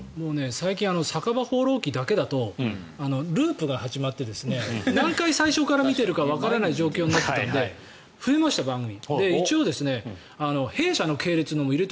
最近「酒場放浪記」だけだとループが始まって何回最初から見ているかわからない状況になったので増えました、番組。